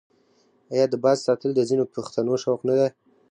آیا د باز ساتل د ځینو پښتنو شوق نه دی؟